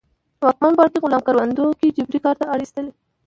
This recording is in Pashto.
واکمن پاړکي غلامان کروندو کې جبري کار ته اړ اېستل